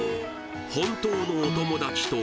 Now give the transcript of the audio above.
本当のお友達とご対面